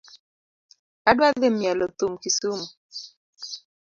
Adwa dhii mielo thum kisumu .